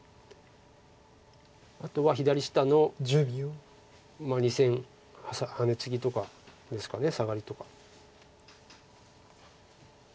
あとは左下の２線ハネツギとかですかサガリとか。